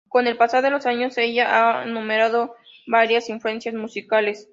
Con el pasar de los años ella ha enumerado varias influencias musicales.